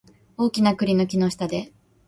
大きな栗の木の下で